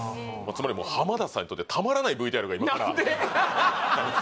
つまりもう浜田さんにとってたまらないＶＴＲが今から何で？